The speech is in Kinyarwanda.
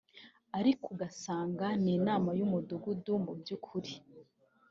Ariko ugasanga n’inama y’umudugudu mu by’ukuri